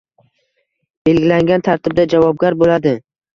belgilangan tartibda javobgar bo‘ladi.